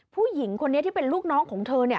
ผู้หญิงคนนี้ที่เป็นลูกน้องของเธอเนี่ย